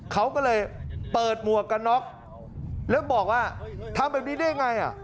เขาก็เลยเปิดหมวกกันน็อกแล้วบอกว่าทำแบบนี้ได้ยังไงอ่ะ